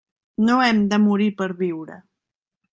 No hem de morir per viure.